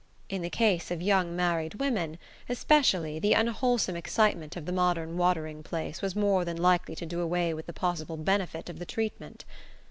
In the case of young married women, especially, the unwholesome excitement of the modern watering place was more than likely to do away with the possible benefit of the treatment.